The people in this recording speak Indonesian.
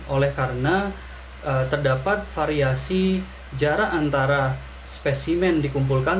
oleh karena terdapat variasi jarak antara spesimen dikumpulkan